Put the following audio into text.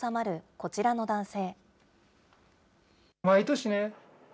こちらの男性。